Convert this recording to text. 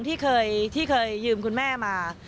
ที่เคยยืมคุณแม่มา